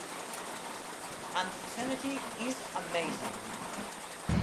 And his energy is amazing.